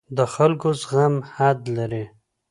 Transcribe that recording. د خلکو زغم حد لري